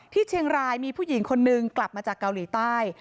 ที่เชียงรายมีผู้หญิงคนนึงกลับมาจากเกาหลีใต้